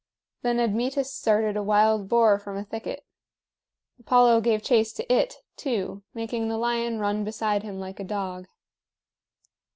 Then Admetus started a wild boar from a thicket. Apollo gave chase to it, too, making the lion run beside him like a dog.